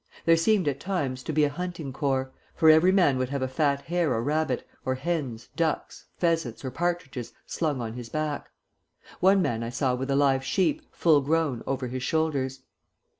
There seemed, at times, to be a hunting corps, for every man would have a fat hare or rabbit, or hens, ducks, pheasants, or partridges slung on his back. One man I saw with a live sheep, full grown, over his shoulders.